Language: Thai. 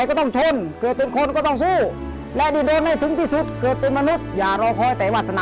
ขอบคุณมากครับขอบคุณครับ